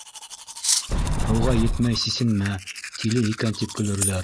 Һыуға етмәй сисенмә: тиле икән тип, көлөрҙәр.